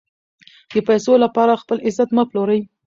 د پیسو لپاره خپل عزت مه پلورئ.